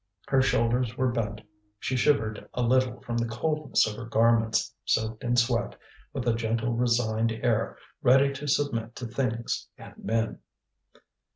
Her shoulders were bent. She shivered a little from the coldness of her garments soaked in sweat, with a gentle resigned air, ready to submit to things and men.